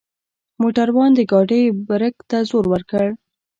موټروان د ګاډۍ برک ته زور وکړ.